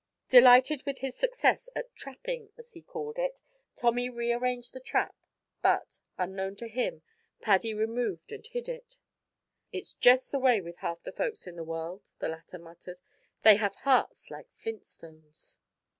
Delighted with his success at "trapping," as he called it, Tommy rearranged the trap, but, unknown to him, Paddy removed and hid it. "It's jest the way with half the folks in the world," the latter muttered; "they have hearts like flint stones."